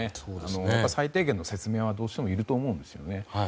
やっぱり最低限の説明はどうしてもいると思うんですね。